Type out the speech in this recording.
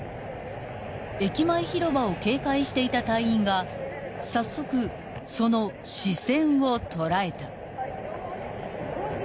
［駅前広場を警戒していた隊員が早速その視線を捉えた］